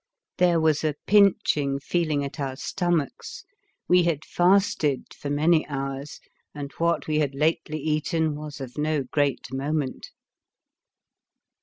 There was a pinching feeling at our stomachs; we 13 The Fearsome Island had fasted for many hours, and what we had lately eaten was of no great moment.